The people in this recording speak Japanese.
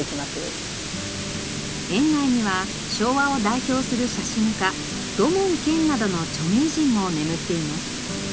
園内には昭和を代表する写真家土門拳などの著名人も眠っています。